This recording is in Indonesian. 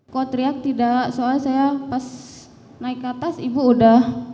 kok teriak tidak soalnya saya pas naik ke atas ibu udah